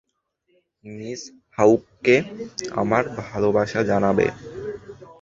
Miss হাউকে আমার ভালবাসা জানাবে।